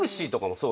そう！